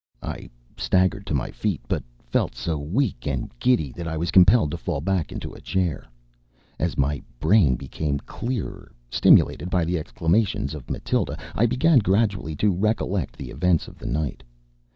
I staggered to my feet, but felt so weak and giddy that I was compelled to fall back into a chair. As my brain became clearer, stimulated by the exclamations of Matilda, I began gradually to recollect the events of the night.